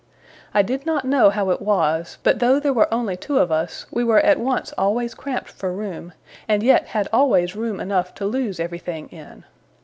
I did not know how it was, but though there were only two of us, we were at once always cramped for room, and yet had always room enough to lose everything in.